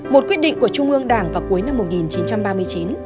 một quyết định của trung ương đảng vào cuối năm một nghìn chín trăm ba mươi chín